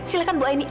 silakan bu aini